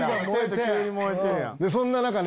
そんな中ね